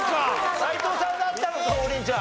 斉藤さんだったのか王林ちゃん。